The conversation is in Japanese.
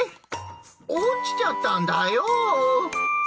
落ちちゃったんだよ。